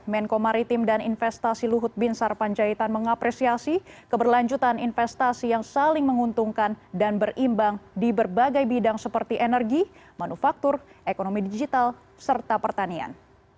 menko maritim dan investasi luhut bin sarpanjaitan mengapresiasi keberlanjutan investasi yang saling menguntungkan dan berimbang di berbagai bidang seperti energi manufaktur ekonomi digital serta pertanian